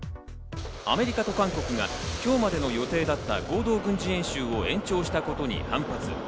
アメリカと韓国が今日までの予定だった合同軍事演習を延長したことに反発。